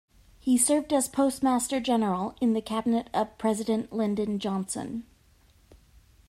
He served as Postmaster General in the cabinet of President Lyndon Johnson.